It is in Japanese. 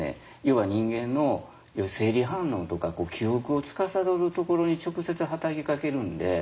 要は人間の生理反応とか記憶をつかさどるところに直接働きかけるんで。